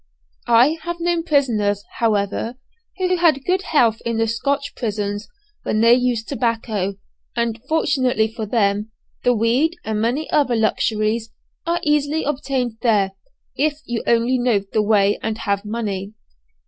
I have known prisoners, however, who had good health in the Scotch prisons, when they used tobacco and fortunately for them, the weed and many other luxuries are easily obtained there, if you only know the way and have money.